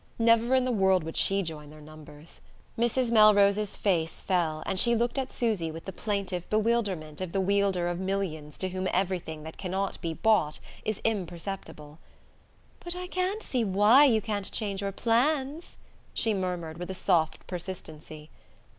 Never in the world would she join their numbers. Mrs. Melrose's face fell, and she looked at Susy with the plaintive bewilderment of the wielder of millions to whom everything that cannot be bought is imperceptible. "But I can't see why you can't change your plans," she murmured with a soft persistency.